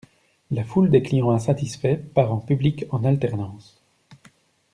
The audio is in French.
La foule des clients insatisfaits part en public en alternance.